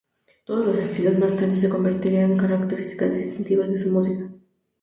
Estos dos estilos más tarde se convertiría en características distintivas de su música.